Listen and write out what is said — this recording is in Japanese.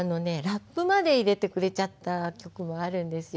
ラップまで入れてくれちゃった曲もあるんですよ。